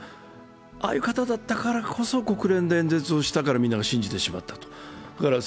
ああいう方だったから国連で演説をしたからみんなが信じてしまった。